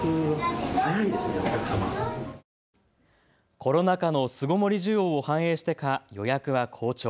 コロナ禍の巣ごもり需要を反映してか、予約は好調。